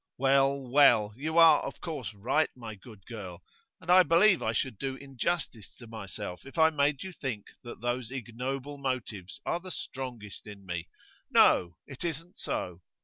'Well, well; you are of course right, my good girl. And I believe I should do injustice to myself if I made you think that those ignoble motives are the strongest in me. No; it isn't so.